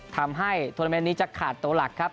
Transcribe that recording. ทำให้โทรเมนต์นี้จะขาดตัวหลักครับ